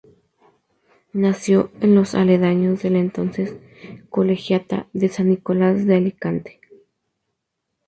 Nació en los aledaños de la entonces Colegiata de San Nicolás de Alicante.